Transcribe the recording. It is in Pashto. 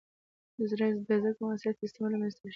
• د زده کړې معاصر سیستمونه رامنځته شول.